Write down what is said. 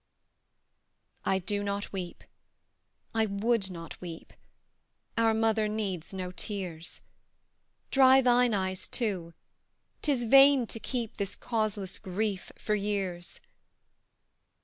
I do not weep; I would not weep; Our mother needs no tears: Dry thine eyes, too; 'tis vain to keep This causeless grief for years.